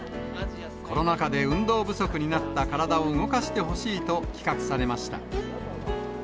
コロナ禍で運動不足になった体を動かしてほしいと企画されました。